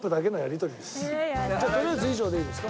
とりあえず以上でいいですか？